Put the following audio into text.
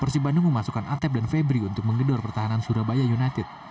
persib bandung memasukkan atep dan febri untuk menggedor pertahanan surabaya united